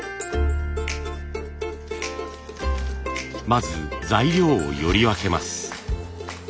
まず材料をより分けます。